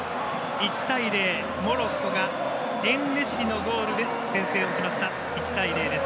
モロッコがエンネシリのゴールで先制をしました１対０です。